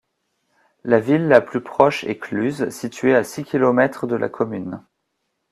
La ville la plus proche est Cluses, située à six kilomètres de la commune.